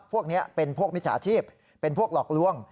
พวกนี้เป็นพวกมิจฉาชีพเป็นพวกหลอกลวง